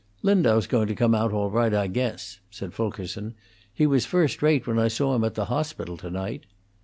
"Lindau's going to come out all right, I guess," said Fulkerson. "He was first rate when I saw him at the hospital to night."